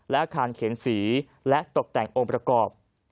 อาคารเขียนสีและตกแต่งองค์ประกอบ